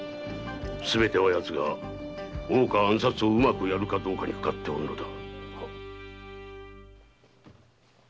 すべては奴が大岡暗殺をうまくやるかどうかにかかっておるのだ。